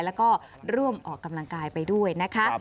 แล้วก็ร่วมออกกำลังกายไปด้วยนะคะ